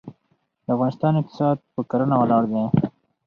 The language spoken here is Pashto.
د افغانستان اقتصاد په کرنه ولاړ دی.